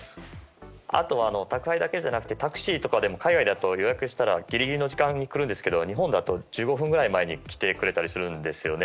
あと、宅配だけじゃなくてタクシーとかでも海外だと予約したらギリギリの時間に来るんですけど日本だと１５分くらい前に来てくれたりするんですよね。